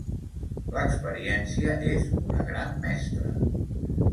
L'experiència és una gran mestra...